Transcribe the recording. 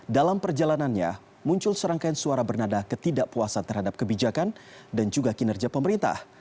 dalam perjalanannya muncul serangkaian suara bernada ketidakpuasan terhadap kebijakan dan juga kinerja pemerintah